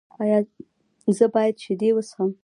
ایا زه باید شیدې وڅښم؟